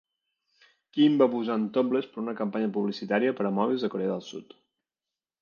Kim va posar en topless per a una campanya publicitària per a mòbils a Corea del Sud.